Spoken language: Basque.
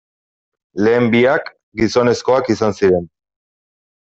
Lehen biak, gizonezkoak izan ziren.